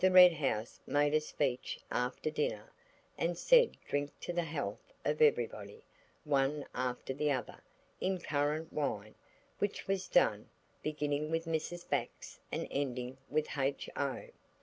Red House made a speech after dinner, and said drink to the health of everybody, one after the other, in currant wine, which was done, beginning with Mrs. Bax and ending with H.O.